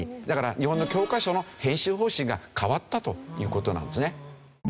だから日本の教科書の編集方針が変わったという事なんですね。